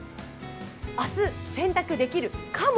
明日、洗濯できるかも。